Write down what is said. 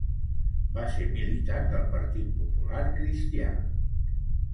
Va ser militant del Partit Popular Cristià.